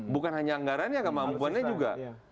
bukan hanya anggarannya kemampuannya juga